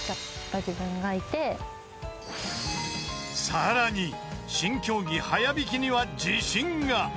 ［さらに新競技速弾きには自信が］